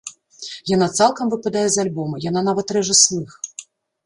Яна цалкам выпадае з альбома, яна нават рэжа слых.